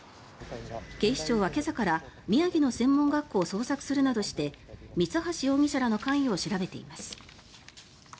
警視庁は今朝から宮城の専門学校を捜索するなどして三橋容疑者らの関与を調べています。